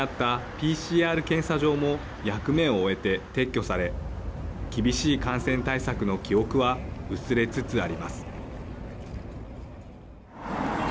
ＰＣＲ検査場も役目を終えて撤去され厳しい感染対策の記憶は薄れつつあります。